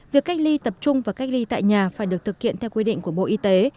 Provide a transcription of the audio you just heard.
việc cách ly tập trung và cách ly tại nhà phải được thực hiện theo quy định của bộ y tế